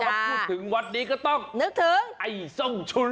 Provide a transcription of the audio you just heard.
ถ้าพูดถึงวัดนี้ก็ต้องนึกถึงไอ้ส้มฉุน